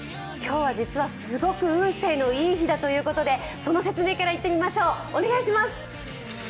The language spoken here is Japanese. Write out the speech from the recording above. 今日は実はすごく運勢のいい日だということで、その説明からいってみましょう。